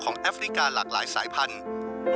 แอฟริกาหลากหลายสายพันธุ์